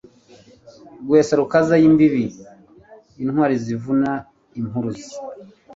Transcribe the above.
Rwesa rukaza ay' imbibe Intwari zivuna impuruza